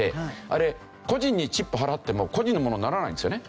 あれ個人にチップ払っても個人のものにならないんですよね。